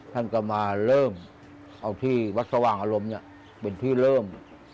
ท่านก็มาเริ่มเอาที่วัดสว่างอารมณ์เป็นที่เริ่ม